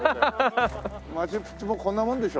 マチュピチュもこんなもんでしょ。